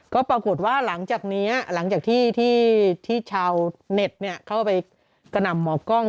ก็ปรากฏว่าหลังจากนี้หลังจากที่ชาวเน็ตเข้าไปกระหน่ำหมอกล้อง